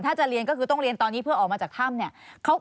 ถ้าจะเรียนก็ต้องเรียนตอนนี้เพื่อออกมาจากท่ำ